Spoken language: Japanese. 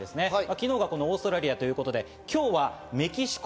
昨日がオーストラリアということで今日はメキシコ。